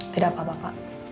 tidak apa apa pak